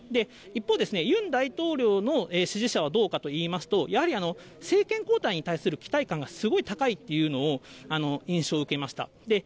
一方、ユン大統領の支持者はどうかといいますと、やはり政権交代に対する期待感がすごい高いっていうのを、印象を受けました。